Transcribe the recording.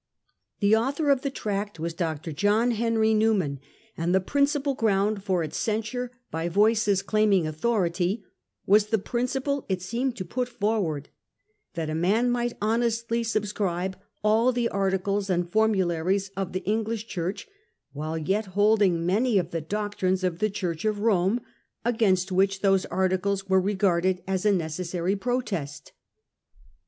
The author of the tract was Dr. John Henry Newman, and the principal ground for its censure by voices claiming authority was the prin ciple it seemed to put forward — that a man might honestly subscribe all the articles and formularies of the English Church, while yet holding many of the doctrines of the Church of Rome, against which those articles were regarded as a necessary protest.